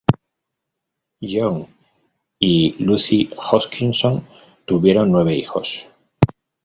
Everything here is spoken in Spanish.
John y Lucy Hutchinson tuvieron nueve hijos.